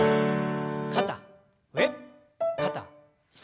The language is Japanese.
肩上肩下。